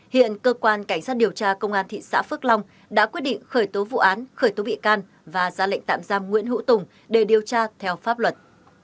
hiện cơ quan cảnh sát điều tra công an thị xã phước long đã quyết định khởi tố vụ án khởi tố bị can và ra lệnh tạm giam nguyễn hữu tùng để điều tra theo pháp luật